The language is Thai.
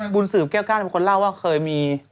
บุญสืบเกล้วก้านคนเล่าว่าเคยมี